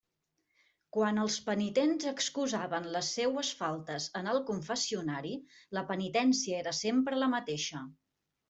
Quan els penitents excusaven les seues faltes en el confessionari, la penitència era sempre la mateixa.